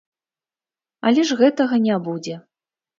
Але ж гэтага не будзе.